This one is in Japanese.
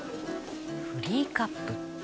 「フリーカップ」